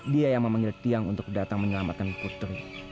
dia yang memanggil tiang untuk datang menyelamatkan putri